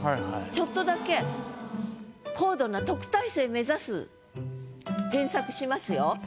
ちょっとだけ高度な特待生目指す添削しますよ。